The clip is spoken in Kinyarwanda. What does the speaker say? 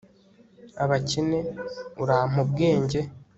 abakene, urampe ubwenge